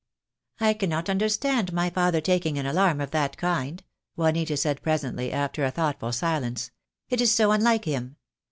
"I cannot understand my father taking an alarm of that kind," Juanita said, presently, after a thoughtful silence. "It is so unlike him.